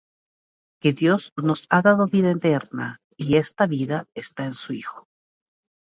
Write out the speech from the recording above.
Que Dios nos ha dado vida eterna; y esta vida está en su Hijo.